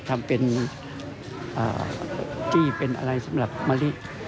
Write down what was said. ทำเป็นที่เป็นอะไรสำหรับมะลิ